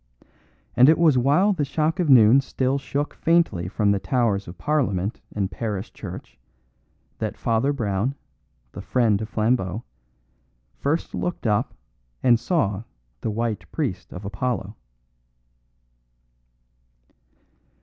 And it was while the shock of noon still shook faintly from the towers of Parliament and parish church that Father Brown, the friend of Flambeau, first looked up and saw the white priest of Apollo.